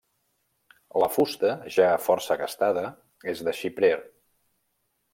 La fusta, ja força gastada, és de xiprer.